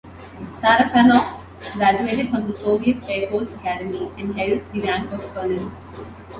Sarafanov graduated from the Soviet Air Force academy and held the rank of Colonel.